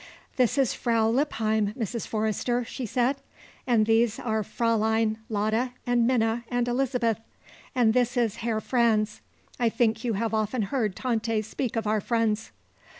"This is Frau Lippheim, Mrs. Forrester," she said. "And these are Fräulein Lotta and Minna and Elizabeth, and this is Herr Franz. I think you have often heard Tante speak of our friends."